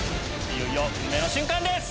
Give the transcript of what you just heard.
いよいよ運命の瞬間です！